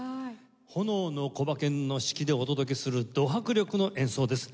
炎のコバケンの指揮でお届けするド迫力の演奏です。